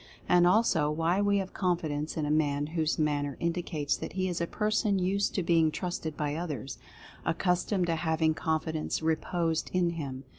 And also, why we have confidence in a man whose manner indicates that he is a person used to being trusted by others — accustomed to having con fidence reposed in him.